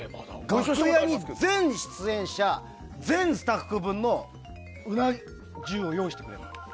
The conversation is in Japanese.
楽屋に全出演者全スタッフ分のうな重を用意してくれるの。